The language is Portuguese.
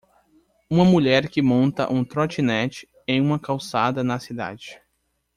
Uma mulher que monta um "trotinette" em uma calçada na cidade.